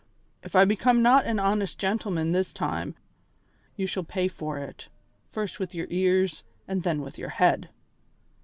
If I become not an honest gentleman this time you shall pay for it, first with your ears and then with your head."